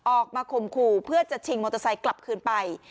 ข่มขู่เพื่อจะชิงมอเตอร์ไซค์กลับคืนไป